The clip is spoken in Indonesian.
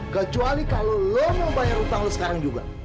kecuali kalau lo mau bayar utang lo sekarang juga